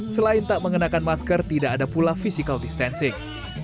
selain tak mengenakan masker tidak ada pula physical distancing